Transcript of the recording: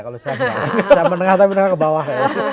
kalau saya bilang menengah tapi menengah ke bawah